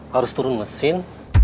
harus turun mesin